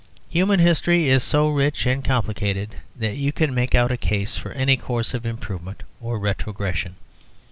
Human history is so rich and complicated that you can make out a case for any course of improvement or retrogression.